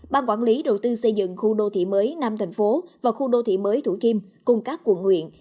ban quản lý đầu tư xây dựng khu đô thị mới nam tp và khu đô thị mới thủ kim cùng các quận huyện